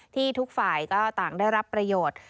ทุกฝ่ายก็ต่างได้รับประโยชน์